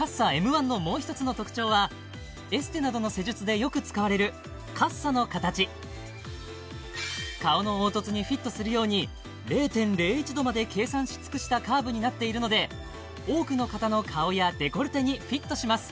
１のもう一つの特徴はエステなどの施術でよく使われるカッサの形顔の凹凸にフィットするように０．０１度まで計算し尽くしたカーブになっているので多くの方の顔やデコルテにフィットします